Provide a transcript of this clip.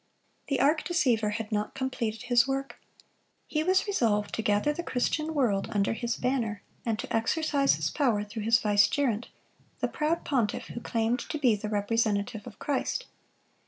The arch deceiver had not completed his work. He was resolved to gather the Christian world under his banner, and to exercise his power through his vicegerent, the proud pontiff who claimed to be the representative of Christ.